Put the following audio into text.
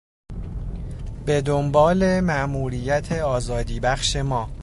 به دنبال ماموریت آزادیبخش ما